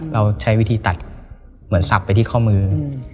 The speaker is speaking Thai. เราใช้วิธีตัดเหมือนสับไปที่ข้อมือ